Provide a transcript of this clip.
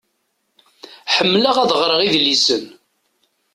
Ḥemleɣ ad ɣreɣ idlisen.